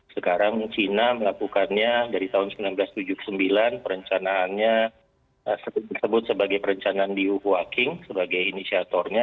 sekarang china melakukannya dari tahun seribu sembilan ratus tujuh puluh sembilan perencanaannya disebut sebagai perencanaan di uhua king sebagai inisiatornya